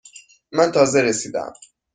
من تازه رسیده ام.